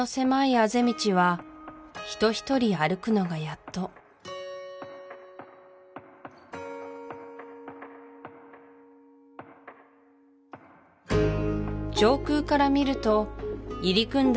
あぜ道は人ひとり歩くのがやっと上空から見ると入り組んだ